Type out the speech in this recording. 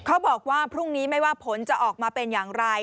เขาบอกว่าพรุ่งนี้ไม่ว่าผลจะออกมาเป็นอย่างไร